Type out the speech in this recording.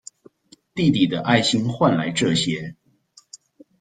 弟弟的愛心換來這些